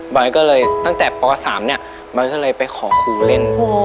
บ่ายก็เลยตั้งแต่ป่าวสามเนี้ยบ่ายจะเลยไปขอคู่เรียน